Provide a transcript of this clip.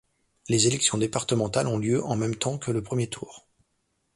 Les élections départementales ont lieu en même temps que le premier tour.